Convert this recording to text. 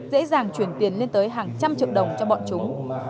dễ dàng chuyển tiền lên tới hàng trăm triệu đồng cho bọn chúng